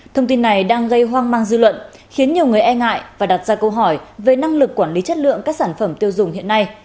thông tin này đang gây hoang mang dư luận khiến nhiều người e ngại và đặt ra câu hỏi về năng lực quản lý chất lượng các sản phẩm tiêu dùng hiện nay